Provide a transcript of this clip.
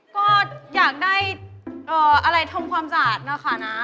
ก็อยากได้อะไรทำความสะอาดนะคะนะ